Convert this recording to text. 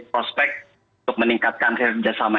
prospek untuk meningkatkan kerjasama